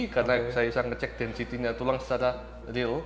karena saya bisa ngecek tensinya tulang secara real